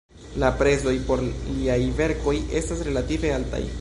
La prezoj por liaj verkoj estas relative altaj.